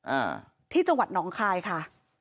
อ่าที่จังหวัดหนองคายค่ะ